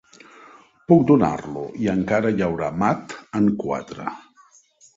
Puc donar-lo i encara hi hauria mat en quatre!